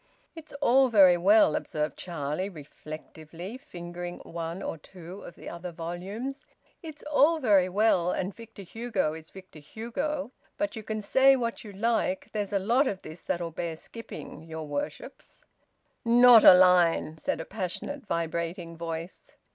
"It's all very well," observed Charlie reflectively, fingering one or two of the other volumes "it's all very well, and Victor Hugo is Victor Hugo; but you can say what you like there's a lot of this that'll bear skipping, your worships." "Not a line!" said a passionate, vibrating voice.